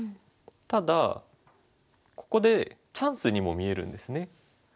ただここでチャンスにも見えるんですね。